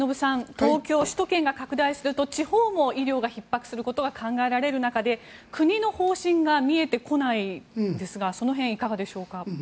東京、首都圏が拡大すると地方も医療がひっ迫することが考えられる中で国の方針が見えてこないですがその辺、いかがでしょうか。